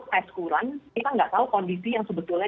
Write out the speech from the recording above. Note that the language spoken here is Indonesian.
peskuran kita nggak tahu kondisi yang sebetulnya